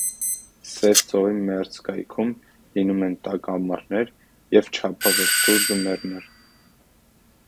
Սև ծովի մերձակայքում լինում են տաք ամառներ և չափավոր ցուրտ ձմեռներ։